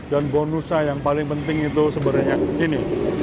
dan bonusnya yang paling penting itu sebenarnya ini